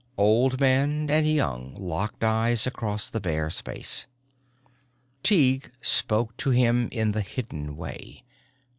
Old man and young locked eyes across the bare space. Tighe spoke to him in the hidden way.